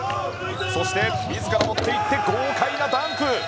自ら持って行って豪快なダンク。